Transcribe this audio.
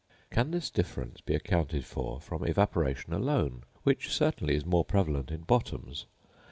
Can this difference be accounted for from evaporation alone, which certainly is more prevalent in bottoms